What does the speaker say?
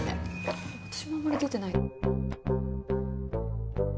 私もあんまり出てない。